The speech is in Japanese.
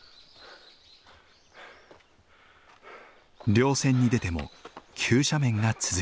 稜線に出ても急斜面が続く。